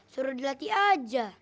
suruh dilatih aja